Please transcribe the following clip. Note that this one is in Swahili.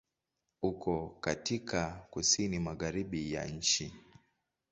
Uko katika Kusini Magharibi ya nchi.